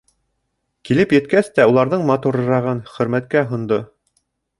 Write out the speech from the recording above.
Килеп еткәс тә уларҙың матурырағын Хөрмәткә һондо: